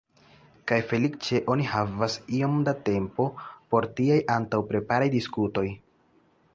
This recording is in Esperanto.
Kaj feliĉe oni havas iom da tempo por tiaj antaŭpreparaj diskutoj.